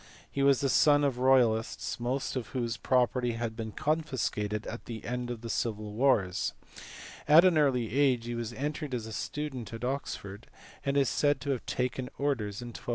He was the son of royal ists, most of whose property had been confiscated at the end of the civil wars : at an early age he was entered as a student at Oxford, and is said to have taken orders in 1233.